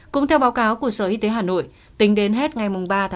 cũng theo báo cáo của sở y tế hà nội tính đến hết ngày ba ba